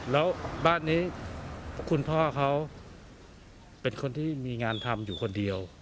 แล้วบ้านนี้คุณพ่อเขาเป็นคนที่มีงานทำอยู่คนเดียว